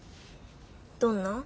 どんなん？